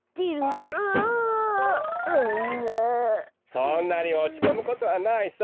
そんなにおちこむことはないさ。